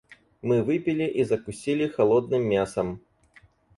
Мы выпили и закусили холодным мясом.